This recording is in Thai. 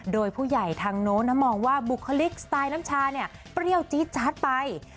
โดยผู้ใหญ่ทางโน้นมองว่าบุคลิกสไตล์น้ำชาเนี่ยเปรี้ยวจี๊ดจาดไป